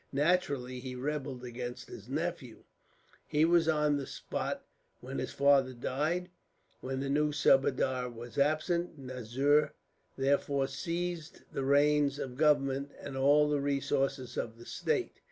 Naturally, he rebelled against his nephew. "He was on the spot when his father died, while the new subadar was absent. Nazir, therefore, seized the reins of government, and all the resources of the state.